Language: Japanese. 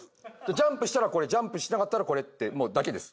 ジャンプしたらこれジャンプしなかったらこれってもうだけです。